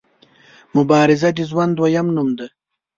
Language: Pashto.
مبارزه د ژوند دویم نوم دی.